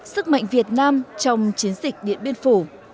sức mạnh việt nam trong chiến dịch điện biên phủ